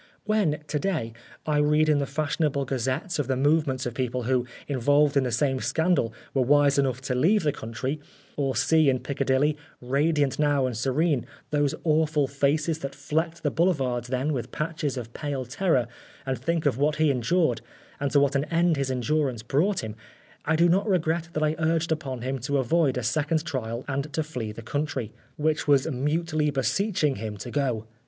When, to day, I read in the fashionable gazettes of the movements of people who, involved in the same scandal, were wise enough to leave the country, or see in Piccadilly, radiant now and serene, those awful faces that flecked the boulevards then with patches of pale terror, and think of what he endured, and to what an end his endurance brought him, I do not regret that I urged upon him to avoid a second trial and to flee the country, which was mutely beseeching him to go.